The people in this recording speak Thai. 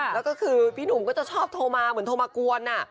แล้วก็คือพี่หนุ่มก็จะชอบโทรมาเหมือนโทรมากวน